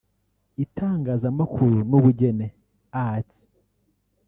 itangazamakuru n’ubugeni (Arts